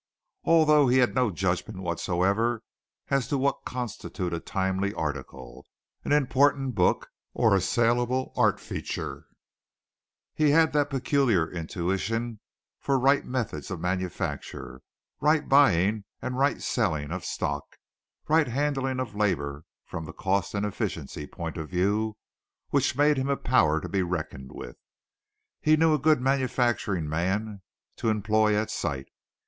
Although he had no judgment whatsoever as to what constituted a timely article, an important book or a saleable art feature, he had that peculiar intuition for right methods of manufacture, right buying and right selling of stock, right handling of labor from the cost and efficiency point of view, which made him a power to be reckoned with. He knew a good manufacturing man to employ at sight.